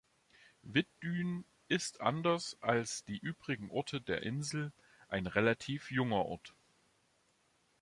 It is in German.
Wittdün ist, anders als die übrigen Orte der Insel, ein relativ junger Ort.